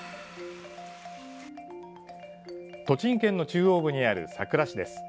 栃木県の中央部にあるさくら市です。